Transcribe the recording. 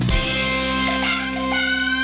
เพิ่มเวลา